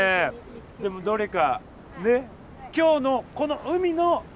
でもどれか。